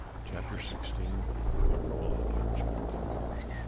CHAPTER XVI. A ROLL OF PARCHMENT.